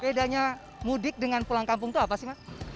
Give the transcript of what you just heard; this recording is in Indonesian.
bedanya mudik dengan pulang kampung itu apa sih mas